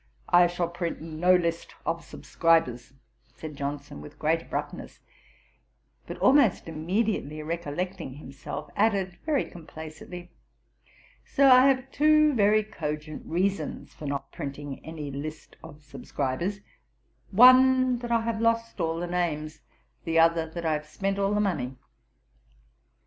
'I shall print no list of subscribers;' said Johnson, with great abruptness: but almost immediately recollecting himself, added, very complacently, 'Sir, I have two very cogent reasons for not printing any list of subscribers; one, that I have lost all the names, the other, that I have spent all the money.'